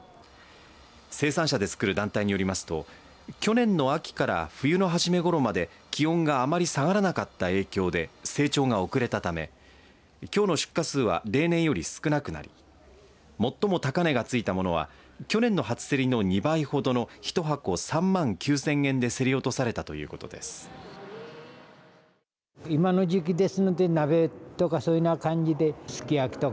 生産者でつくる団体によりますと去年の秋から冬の初めごろまで気温があまり下がらなかった影響で成長が遅れたためきょうの出荷数は例年より少なくなり最も高値がついたものは去年の初競りの２倍ほどの一箱３万９０００円で競り落とされたということです。